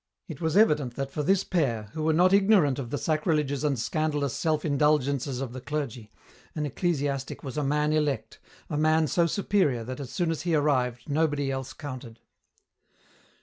It was evident that for this pair, who were not ignorant of the sacrileges and scandalous self indulgences of the clergy, an ecclesiastic was a man elect, a man so superior that as soon as he arrived nobody else counted.